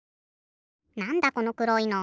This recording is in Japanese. なんだこのくろいの。